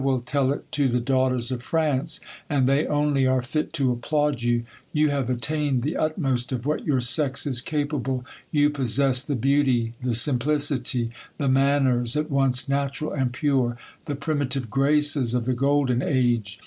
1 will tell it to the daughters of France, and they only are fit to applaud you ! You have attained the utmost of what your sex is capable ; you possess the beauty, the simplicity, the manners, at once natural and pure ; the primitive graces of the golden age.